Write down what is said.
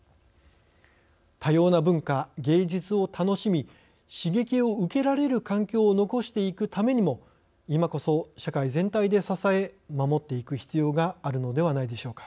多様な文化、芸術を楽しみ刺激を受けられる環境を残していくためにも今こそ、社会全体で支え守っていく必要があるのではないでしょうか。